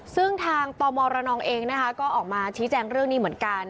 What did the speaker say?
ซึ่งทางตมรนเองนะคะก็ออกมาชี้แจงเรื่องนี้เหมือนกัน